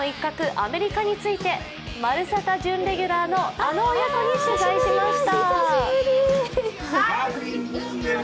アメリカについて「まるサタ」準レギュラーのあの親子に取材しました。